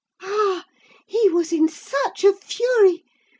Ah, he was in such a fury!